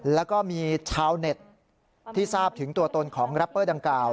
แล้วก็มีชาวเน็ตที่ทราบถึงตัวตนของแรปเปอร์ดังกล่าว